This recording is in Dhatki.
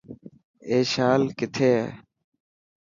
اي شال ڪٿي هي.